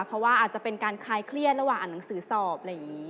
เพราะว่าอาจจะเป็นการคลายเครียดระหว่างอ่านหนังสือสอบอะไรอย่างนี้